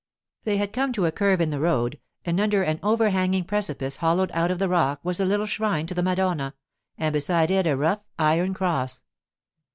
They had come to a curve in the road, and under an over hanging precipice hollowed out of the rock was a little shrine to the Madonna, and beside it a rough iron cross.